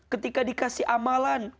ketika dikasih amalan